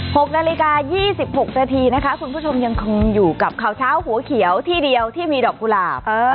หกนาฬิกายี่สิบหกนาทีนะคะคุณผู้ชมยังคงอยู่กับข่าวเช้าหัวเขียวที่เดียวที่มีดอกกุหลาบ